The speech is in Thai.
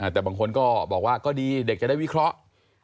แต่บางคนก็บอกว่าก็ดีเด็กจะได้วิเคราะห์